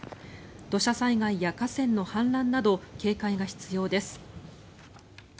土砂災害や河川の氾濫など警戒が必要です。